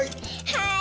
はい。